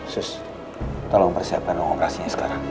terus tolong persiapkan operasinya sekarang